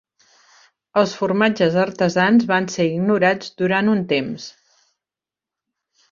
Els formatges artesans van ser ignorats durant un temps.